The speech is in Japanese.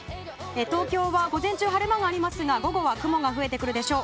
東京は午前中晴れ間がありますが午後は雲が増えてくるでしょう。